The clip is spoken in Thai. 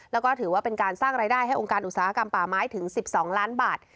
แล้วก็ถือว่าเป็นการสร้างรายได้ให้องค์การอุตสาหกรรมป่าไม้ถึง๑๒ล้านบาท